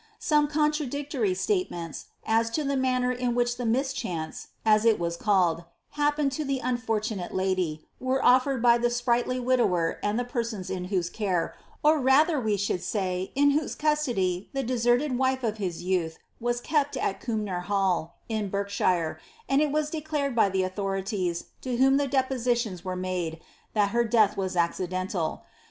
Some contradictory state ments as to the manner in which the mischance (as it was called) hap pened to the unfortunate lady were offered by the sprightly widower and the persons in whose care, or rather we should say in whose cus tody, the deserted wife of his youth was kept at Cumnor Hall, in Berk shire, and it was declared by the authorities to whom the depositions were made, that her death was accidental.